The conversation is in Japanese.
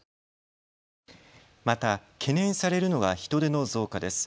また懸念されるのが人出の増加です。